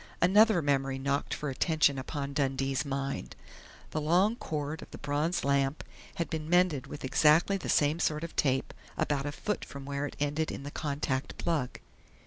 Another memory knocked for attention upon Dundee's mind. _The long cord of the bronze lamp had been mended with exactly the same sort of tape about a foot from where it ended in the contact plug.